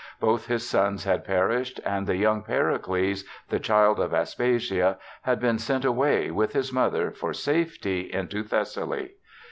Both his sons had perished, and the young Pericles— the child of Aspasia — had been sent away, with his mother, for safety, into Thessaly.